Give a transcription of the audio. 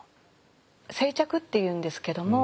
生着っていうんですけども。